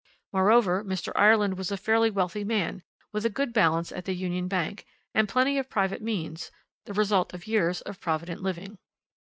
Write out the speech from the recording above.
Moreover, Mr. Ireland was a fairly wealthy man, with a good balance at the Union Bank, and plenty of private means, the result of years of provident living.